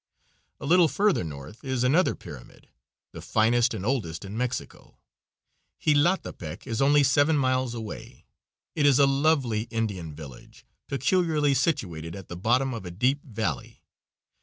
A little further north is another pyramid, the finest and oldest in Mexico. Jilatepec is only seven miles away. It is a lovely Indian village, peculiarly situated at the bottom of a deep valley.